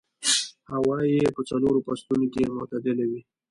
هوا يې په څلورو فصلونو کې معتدله وي.